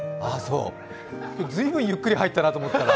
随分ゆっくり入ったなと思ったら。